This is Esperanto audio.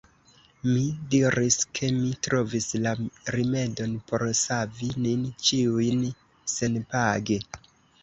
Mi diris, ke mi trovis la rimedon por savi nin ĉiujn senpage.